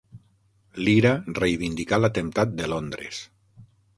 L'IRA reivindicà l'atemptat de Londres.